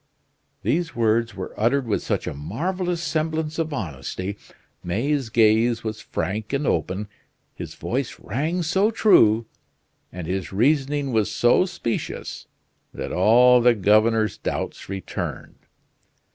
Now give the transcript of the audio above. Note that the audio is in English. These words were uttered with such a marvelous semblance of honesty, May's gaze was frank and open, his voice rang so true, and his reasoning was so specious, that all the governor's doubts returned.